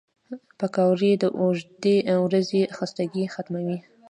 پکورې د اوږدې ورځې خستګي ختموي